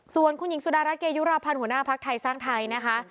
ส่วนคุณหญิงสุดารัฐเกยุราพันธ์หัวหน้าภักดิ์ไทยสร้างไทยนะคะ